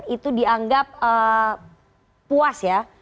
itu dianggap puas ya